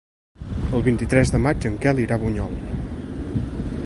El vint-i-tres de maig en Quel irà a Bunyol.